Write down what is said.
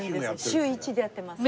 週１でやってます。